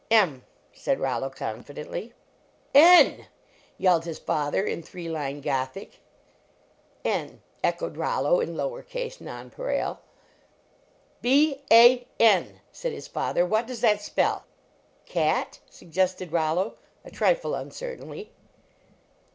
"" M," said Rollo, confidently. 37 LEARNING TO READ "N!" yelled his father, in three line Gothic. "N," echoed Rollo, in lower case non pareil. "B a n," said his father, "what does that spell? " "Cat?" suggested Rollo, a trifle uncer tainly.